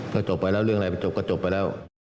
ก็จบไปแล้วเรื่องอะไรมันจบก็จบไปแล้ว